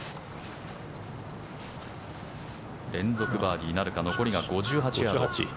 連続バーディーなるか残りが５８ヤード。